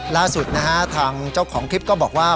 ล่าสุดนะฮะทางเจ้าของคลิปก็บอกว่า